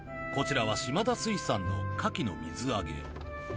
こちらは島田水産のカキの水揚げ